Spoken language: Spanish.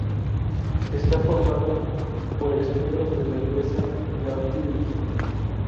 Está formada por ex-miembros de la empresa Nautilus.